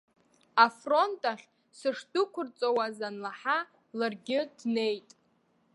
Афронт ахь сышдәықәырҵауаз анлаҳа, ларгьы днеит.